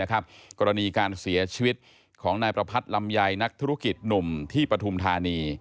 กรณีการเสียชีวิตของนายประพัทธลำไยนักธุรกิจหนุ่มที่ปฐุมธานี